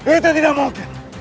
itu tidak mungkin